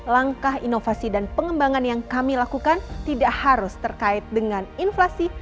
langkah inovasi dan pengembangan yang kami lakukan tidak harus terkait dengan inflasi